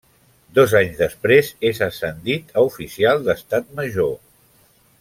Dos anys després és ascendit a oficial d'Estat Major.